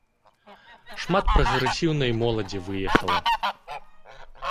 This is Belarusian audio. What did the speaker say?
Шмат прагрэсіўнай моладзі выехала.